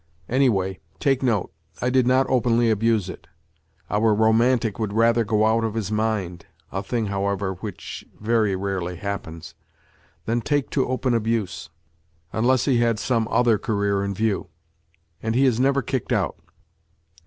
Anyway, take note, I did not openly abuse it. Our romantic would rather go out of his mind a thing, however, which very rarely happens than take to open abuse, unless he had some other career in view ; and he is never kicked out.